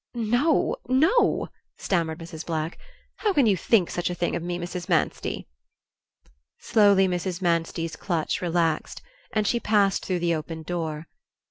"No no," stammered Mrs. Black. "How can you think such a thing of me, Mrs. Manstey?" Slowly Mrs. Manstey's clutch relaxed, and she passed through the open door.